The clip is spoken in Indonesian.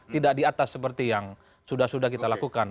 tidak di atas seperti yang sudah sudah kita lakukan